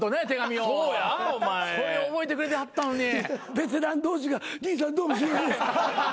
ベテラン同士が「兄さんどうもすいません」